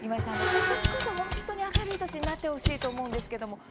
今年こそ本当に明るい年になってほしいと思うんですけどもちょっと